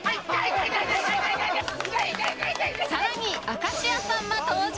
更に、明石家さんま登場。